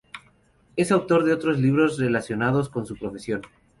Es autor de otros libros relacionados con su profesión.